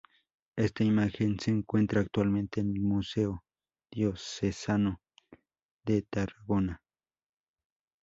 Esta imagen se encuentra actualmente en el Museo Diocesano de Tarragona.